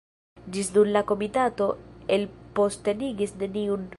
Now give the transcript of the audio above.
Ĝis nun la komitato elpostenigis neniun.